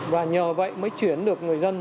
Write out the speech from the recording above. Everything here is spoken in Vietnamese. và nhờ vậy mới chuyển được người dân